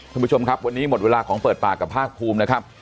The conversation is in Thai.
ท่านผู้ชมครับวันนี้หมดเวลาของเปิดปากกับภาคภูมินะครับ